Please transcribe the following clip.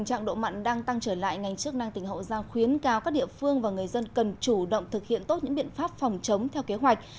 trạng độ mặn đang tăng trở lại ngành chức năng tỉnh hậu giang khuyến cao các địa phương và người dân cần chủ động thực hiện tốt những biện pháp phòng chống theo kế hoạch